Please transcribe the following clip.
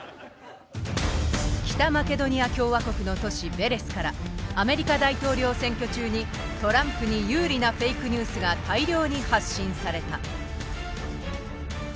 北マケドニア共和国の都市ヴェレスからアメリカ大統領選挙中にトランプに有利なフェイクニュースが大量に発信された。